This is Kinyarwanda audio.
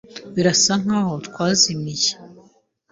Birasa nkaho twazimiye.